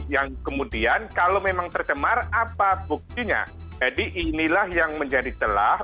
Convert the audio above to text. yang kemudian kalau memang tercemar apa buktinya jadi inilah yang menjadi celah